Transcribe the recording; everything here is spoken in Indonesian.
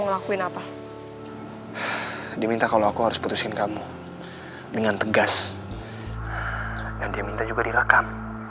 ngelakuin apa diminta kalau aku harus putusin kamu dengan tegas dan dia minta juga direkam